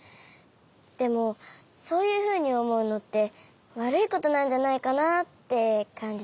でもそういうふうにおもうのってわるいことなんじゃないかなってかんじちゃって。